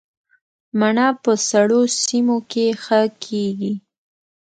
مڼه په سړو سیمو کې ښه کیږي